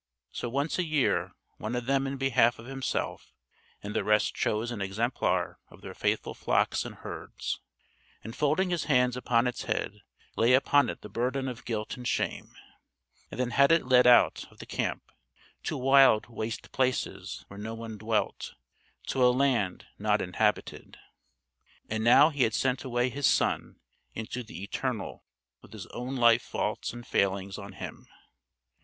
So once a year one of them in behalf of himself and the rest chose an exemplar of their faithful flocks and herds, and folding his hands upon its head laid upon it the burden of guilt and shame, and then had it led out of the camp to wild waste places where no one dwelt "to a land not inhabited." ... And now he had sent away his son into the eternal with his own life faults and failings on him....